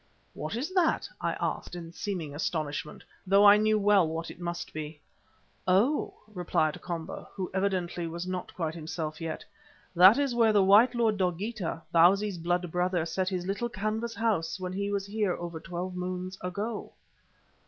"What is that?" I asked, in seeming astonishment, though I knew well what it must be. "Oh!" replied Komba, who evidently was not yet quite himself, "that is where the white lord Dogeetah, Bausi's blood brother, set his little canvas house when he was here over twelve moons ago."